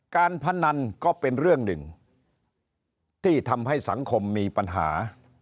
การพนันก็เป็นเรื่องหนึ่งที่ทำให้สังคมมีปัญหา